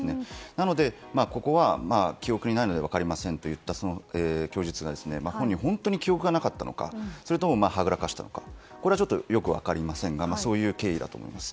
なので、ここは記憶にないので分かりませんといった供述が本人、本当に記憶がなかったのかそれともはぐらかしたのかはよく分かりませんがそういう経緯だと思います。